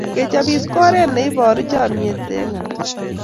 Kechopis ko oret neiporu chamiet eng alak